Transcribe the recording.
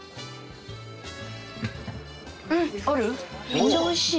めっちゃ美味しい！